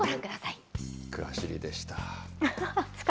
くらしりでした。